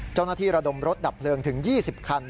เจ้าหน้าที่ระดมรถดับเพลิงถึง๒๐คัน